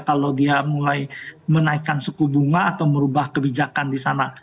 kalau dia mulai menaikkan suku bunga atau merubah kebijakan di sana